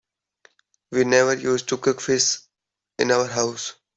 We never used to cook fish in our house.